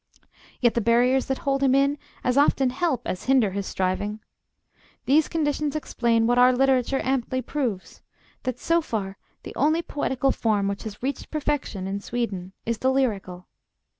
Yet the barriers that hold him in as often help as hinder his striving. These conditions explain what our literature amply proves; that so far, the only poetical form which has reached perfection in Sweden is the lyrical.